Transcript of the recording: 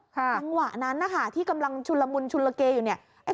ทางหวะนั้นที่กำลังชุนละมุนชุนละเกย์อยู่นี่